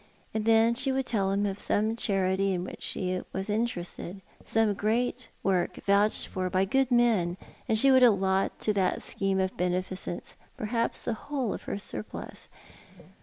And then she would tell him of some charity in which she was interested — some great work vouched for by good men, and she would allot to that scheme of l>enefic^nice perhaps the whole of her surplus.